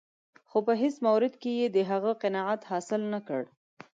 خو په هېڅ مورد کې یې د هغه قناعت حاصل نه کړ.